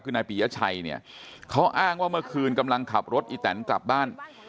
คือนายปียชัยเนี่ยเขาอ้างว่าเมื่อคืนกำลังขับรถอีแตนกลับบ้าน